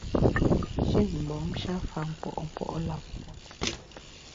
Nshin mgbom-sha fa nkpo’ nkpo’ lam mgbom.